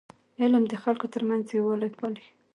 علم د خلکو ترمنځ یووالی پالي.